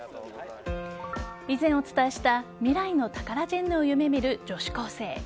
以前お伝えした未来のタカラジェンヌを夢見る女子高生。